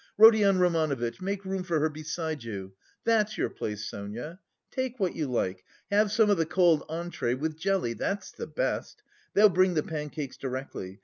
Rodion Romanovitch, make room for her beside you. That's your place, Sonia... take what you like. Have some of the cold entrée with jelly, that's the best. They'll bring the pancakes directly.